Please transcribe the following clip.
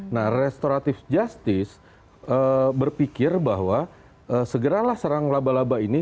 nah restoratif justice berpikir bahwa segeralah serang laba laba ini